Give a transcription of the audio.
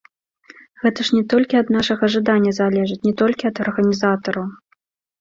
Гэта ж не толькі ад нашага жадання залежыць, не толькі ад арганізатараў.